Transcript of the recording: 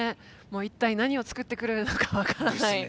もう一体何を作ってくれるのか分からない。